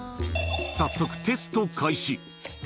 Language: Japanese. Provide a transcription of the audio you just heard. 早速、テスト開始。